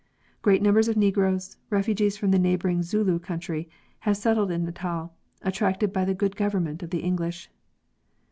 Great numbers of Negroes, refugees from the neighboring Zulu country, have settled in Natal, attracted by the good government of the English.